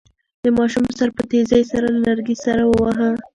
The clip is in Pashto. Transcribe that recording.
د ماشوم سر په تېزۍ سره له لرګي سره وواهه.